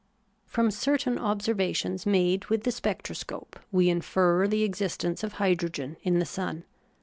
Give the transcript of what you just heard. From certain observations made with the spectro scope, we infer the existence of hydrogen in the sun.